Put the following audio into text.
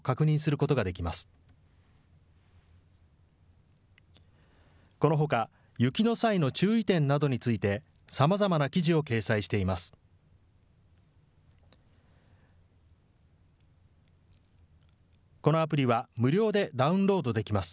このほか、雪の際の注意点などについて、さまざまな記事を掲載しています。